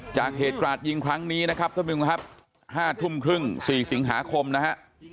จากเหตุกราดยิงครั้งนี้นะครับท่านผู้ชมครับ๕ทุ่มครึ่ง๔สิงหาคมนะฮะ